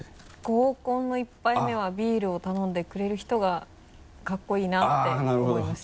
合コンの１杯目はビールを頼んでくれる人がかっこいいなって思いました。